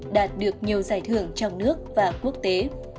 đạt được nhiều giải thưởng trong nước và quốc tế